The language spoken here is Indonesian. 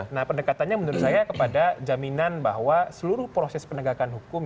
nah pendekatannya menurut saya kepada jaminan bahwa seluruh proses penegakan hukum